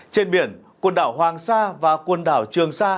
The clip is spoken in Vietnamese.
trên biển quần đảo hoàng sa và quần đảo trường sa